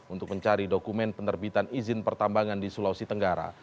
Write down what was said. untuk mencari dokumen penerbitan izin pertambangan di sulawesi tenggara